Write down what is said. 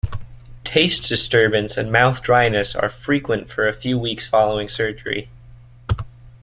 Taste disturbance and mouth dryness are frequent for a few weeks following surgery.